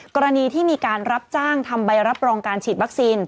กรณีที่มีการรับจ้างทำใบรับรองการฉีดวัคซีน